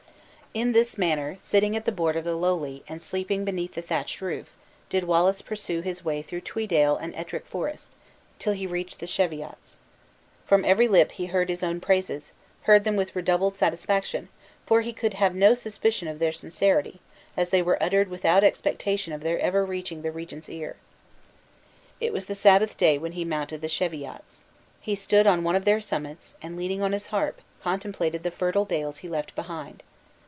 In this manner, sitting at the board of the lowly, and sleeping beneath the thatched roof, did Wallace pursue his way through Tweedale and Ettrick Forest, till he reached the Cheviots. From every lip he heard his own praises, heard them with redoubled satisfaction, for he could have no suspicion of their sincerity, as they were uttered without expectation of their ever reaching the regent's ear. It was the Sabbath day when he mounted the Cheviots. He stood on one of their summits, and leaning on his harp, contemplated the fertile dales he left behind.